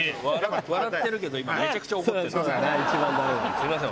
すみません。